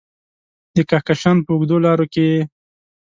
د کهکشان په اوږدو لارو کې یې